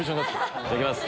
いただきます。